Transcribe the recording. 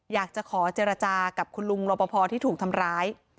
อยากจะขอเจรจากับคุณลุงรอปภที่ถูกทำร้าย